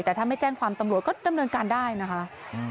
แต่ถ้าไม่แจ้งความตำรวจก็ดำเนินการได้นะคะ